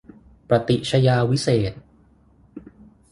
ประติชญาวิเศษณ์